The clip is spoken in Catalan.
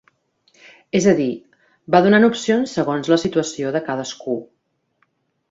És a dir, va donant opcions segons la situació de cadascú.